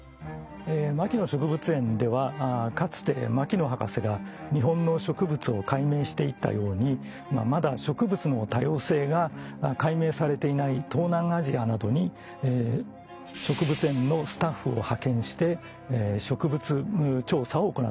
牧野植物園ではかつて牧野博士が日本の植物を解明していったようにまだ植物の多様性が解明されていない東南アジアなどに植物園のスタッフを派遣して植物調査を行っております。